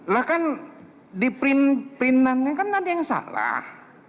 lah kan di printnya kan ada yang salah